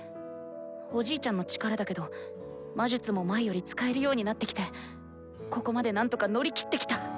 おじいちゃんの力だけど魔術も前より使えるようになってきてここまで何とか乗り切ってきた。